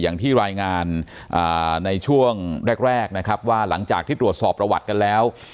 อย่างที่รายงานในช่วงแรกนะครับว่าหลังจากที่ตรวจสอบประวัติกันแล้ว